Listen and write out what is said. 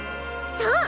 そう！